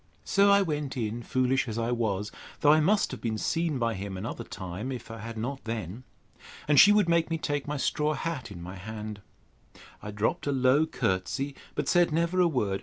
So I went in, foolish as I was; though I must have been seen by him another time, if I had not then. And she would make me take my straw hat in my hand. I dropt a low courtesy, but said never a word.